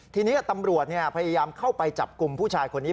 ทีนี้ตำรวจพยายามเข้าไปจับกลุ่มผู้ชายคนนี้